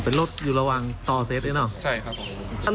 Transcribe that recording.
เป็นรถอยู่ระหว่างต่อเซ็ตเองหรือเปล่าใช่ครับ